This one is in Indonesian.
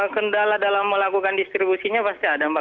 kendala dalam melakukan distribusinya pasti ada mbak